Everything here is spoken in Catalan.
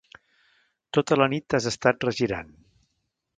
Tota la nit t'has estat regirant.